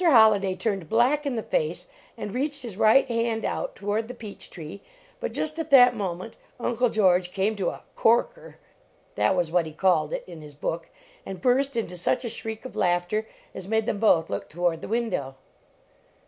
Holliday turned black in the face and reached his right hand out toward the peach tree, but just at that moment Uncle George came to a corker that was what he called it in his book, and burst into such a shriek of laughter as made them both look toward the window.